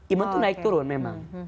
imun itu naik turun memang